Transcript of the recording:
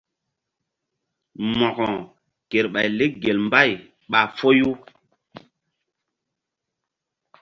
Mo̧ko kerɓay lek gel mbay ɓa foyu.